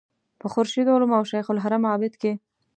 په خورشید علوم او شیخ الحرم عابد کې.